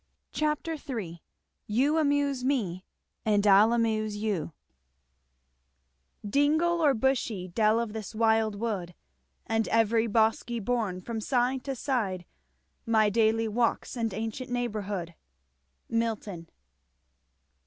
Chapter III. I know each lane, and every alley green, Dingle or bushy dell of this wild wood, And every bosky bourn from side to side My daily walks and ancient neighbourhood. Milton.